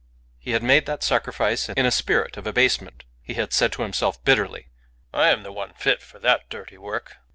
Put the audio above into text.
He had made that sacrifice in a spirit of abasement. He had said to himself bitterly, "I am the only one fit for that dirty work."